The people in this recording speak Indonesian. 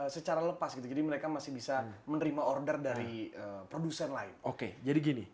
sehingga mereka bisa menerima order dari produser lain